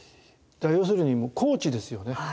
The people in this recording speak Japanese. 要するにもうコーチですよね。